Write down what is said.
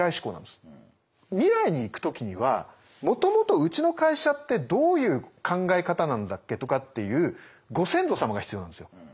未来にいく時にはもともとうちの会社ってどういう考え方なんだっけとかっていうご先祖様が必要なんですよ。